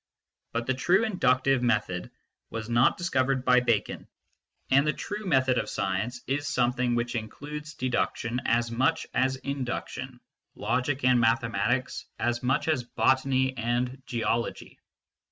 But the true inductive method was not discovered by Bacon, and the true method of science 42 MYSTICISM AND LOGIC is something which includes deduction as mucn as induction, logic and mathematics as much as botany and geology.